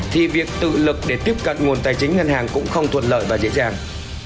thì việc tự lực để tiếp cận nguồn tài chính ngân hàng cũng không thuận lợi và dễ dàng